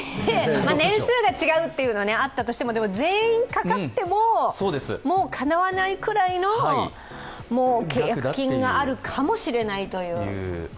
年数が違うというのは、あったとしても、全員かかってももうかなわないくらいの契約金があるかもしれないという。